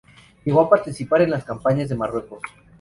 Llegó a participar en las campañas de Marruecos.